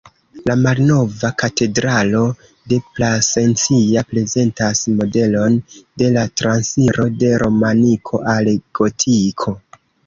La Malnova Katedralo de Plasencia prezentas modelon de la transiro de romaniko al gotiko.